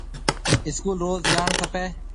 اسڪول روز جاڻ کپيَ۔